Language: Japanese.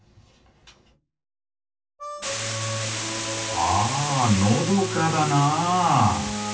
あぁのどかだなぁ。